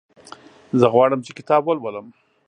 زه غواړم چې کتاب ولولم.